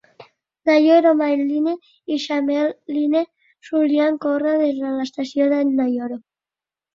Nayoro Main Line i Shimmei Line solien córrer des de l'estació de Nayoro.